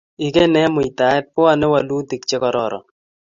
Ikany eng muitaet, pwoni walutik che kararan